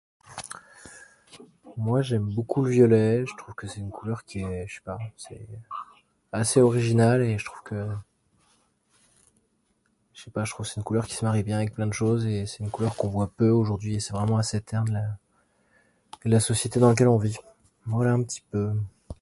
Moi, j'aime beaucoup le violet. Je trouve que c'est une couleur qui est, je sais pas, c'est... assez original et je trouve que... Je sais pas, je trouve que c'est une couleur qui se marie bien avec plein de choses et c'est une couleur qu'on voit peu aujourd'hui. Et c'est vraiment assez terne, la société dans laquelle on vit. Voilà un p'tit peu.